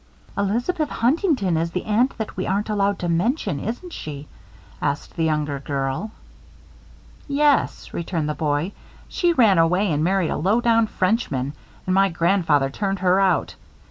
"Elizabeth Huntington is the aunt that we aren't allowed to mention, isn't she?" asked the younger girl. "Yes," returned the boy. "She ran away and married a low down Frenchman and my grandfather turned her out.